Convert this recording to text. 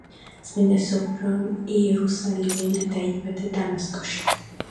წმინდა სოფრონ იერუსალიმელი დაიბადა დამასკოში.